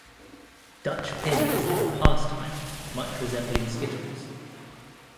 Dutch-pins is a pastime much resembling skittles.